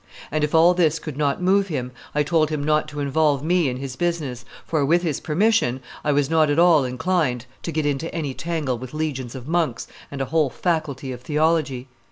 ... And if all this could not move him, I told him not to involve me in his business, for, with his permission, I was not at all inclined to get into any tangle with legions of monks and a whole faculty of theology.